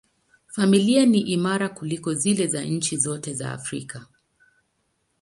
Familia ni imara kuliko zile za nchi zote za Afrika.